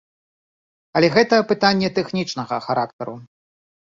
Але гэта пытанне тэхнічнага характару.